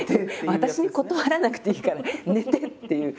私に断らなくていいから寝て！っていう。